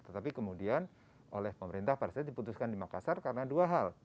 tetapi kemudian oleh pemerintah pada saat diputuskan di makassar karena dua hal